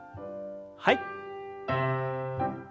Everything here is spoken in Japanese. はい。